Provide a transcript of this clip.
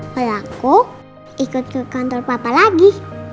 kayak aku ikut ke kantor papa lagi